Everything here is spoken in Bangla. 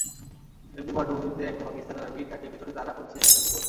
এমনি পটভূমিতে একটা পাকিস্তানি আর্মি ট্রাকের পেছনে তাড়া করছে একটা কুকুর।